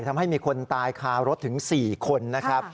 ทำให้มีคนตายคารถถึง๔คนนะครับ